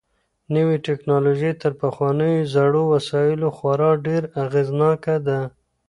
نوې ټکنالوژي تر پخوانيو زړو وسايلو خورا ډېره اغېزناکه ده.